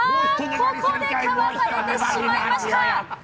ここでかわされてしまいました。